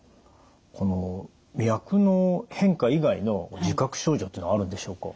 この脈の変化以外の自覚症状というのはあるんでしょうか？